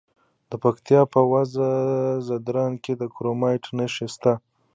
د پکتیا په وزه ځدراڼ کې د کرومایټ نښې شته.